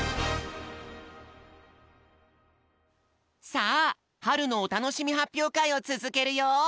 さあはるのおたのしみはっぴょうかいをつづけるよ！